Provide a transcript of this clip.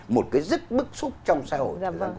một cái rất bức xúc trong xã hội